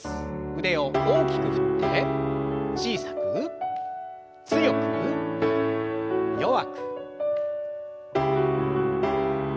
腕を大きく振って小さく強く弱く。